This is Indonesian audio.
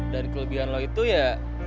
dan kelebihan lo itu ya